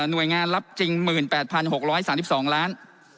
หน่วยงานรับจริง๑๘๖๓๒ล้าน